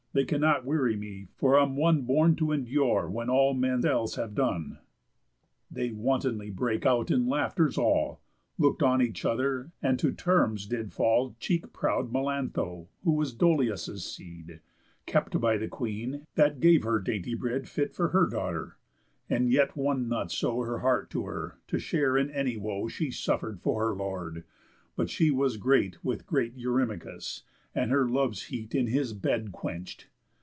They cannot weary me, for I am one Born to endure when all men else have done." They wantonly brake out in laughters all, Look'd on each other; and to terms did fall Cheek proud Melantho, who was Dolius' seed, Kept by the Queen, that gave her dainty bread Fit for her daughter; and yet won not so Her heart to her to share in any woe She suffer'd for her lord, but she was great With great Eurymachus, and her love's heat In his bed quench'd.